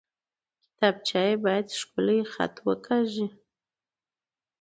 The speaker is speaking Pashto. کتابچه کې باید ښکلی خط وکارېږي